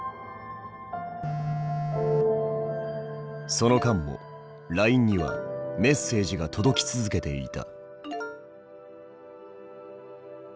その間もＬＩＮＥには携帯画面メッセージが届き続けていた。